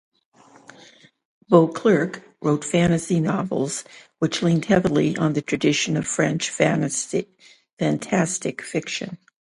Beauclerk wrote fantasy novels which leaned heavily on the tradition of French fantastic fiction.